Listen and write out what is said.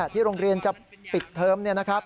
ที่โรงเรียนจะปิดเทอม